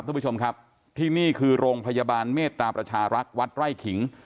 ทุกผู้ชมครับที่นี่คือโรงพยาบาลเมตตาประชารักษ์วัดไร่ขิง